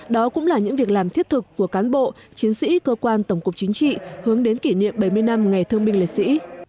đó cũng là những việc làm thiết thực của cán bộ chiến sĩ cơ quan tổng cục chính trị hướng đến kỷ niệm bảy mươi năm ngày thương binh liệt sĩ